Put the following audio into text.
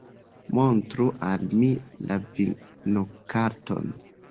Montru al mi la vinokarton.